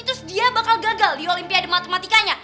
terus dia bakal gagal di olimpiade matematikanya